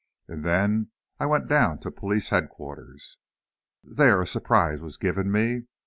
And then I went down to Police Headquarters. There a surprise was given me.